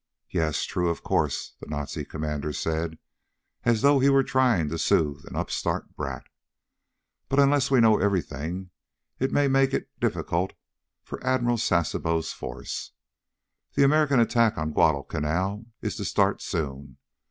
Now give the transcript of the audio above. "Yes, true, of course," the Nazi commander said as though he were trying to soothe an upstart brat. "But unless we know everything, it may make it difficult for Admiral Sasebo's force. The American attack on Guadalcanal is to start soon.